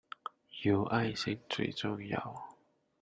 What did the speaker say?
有愛心最重要